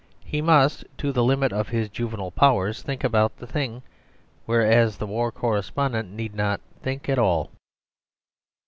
He must to the limit of his juvenile powers think about the thing; whereas the war correspondent need not think at all.